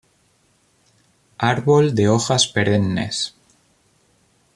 Árbol de hojas perennes.